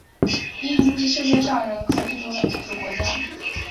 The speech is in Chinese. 印度是世界上人口最多的民主国家。